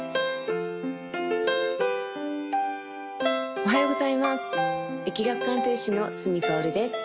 おはようございます易学鑑定士の角かおるです